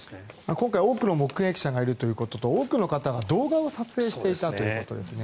今回多くの目撃者がいるということと多くの方が動画を撮影していたということですね。